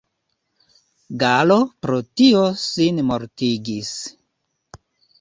Gallo pro tio sinmortigis.